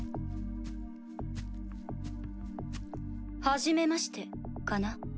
はじめましてかな？